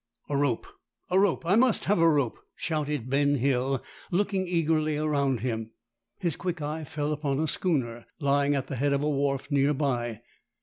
"A rope! a rope! I must have a rope!" shouted Ben Hill, looking eagerly around him. His quick eye fell upon a schooner lying at the head of a wharf near by.